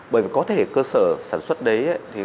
bởi vì có thể cơ sở sản xuất đấy